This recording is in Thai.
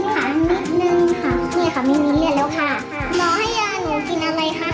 สกิดยิ้ม